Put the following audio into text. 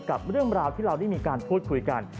กับเรื่องราวที่เราได้มีการพูดคุยกัน